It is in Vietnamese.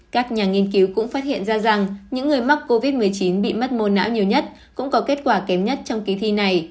các nhà nghiên cứu cũng phát hiện ra rằng những người mắc covid một mươi chín bị mất mô não nhiều nhất cũng có kết quả kém nhất trong kỳ thi này